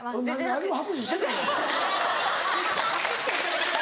何も拍手してないよ。